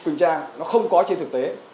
lê quỳnh trang nó không có trên thực tế